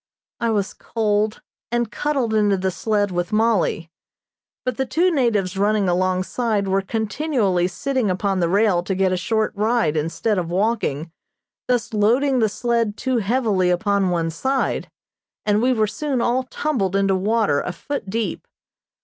I was cold and cuddled into the sled with Mollie, but the two natives running alongside were continually sitting upon the rail to get a short ride instead of walking, thus loading the sled too heavily upon one side, and we were soon all tumbled into water a foot deep.